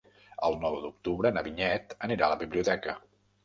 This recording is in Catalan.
El nou d'octubre na Vinyet anirà a la biblioteca.